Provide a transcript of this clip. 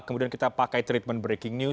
kemudian kita pakai treatment breaking news